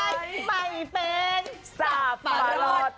ไปเป็นสาธารณส